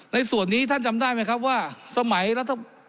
ในส่วนนี้ท่านจำได้ไหมครับว่าสมัยรัฐ